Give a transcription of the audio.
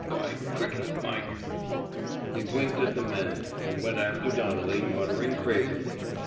By Crikey Mike! He winked at the men, and went after Donnelly, muttering crazily.